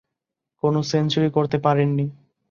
কোনো সেঞ্চুরি করতে পারেননি।